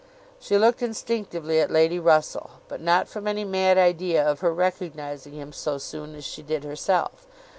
She looked instinctively at Lady Russell; but not from any mad idea of her recognising him so soon as she did herself.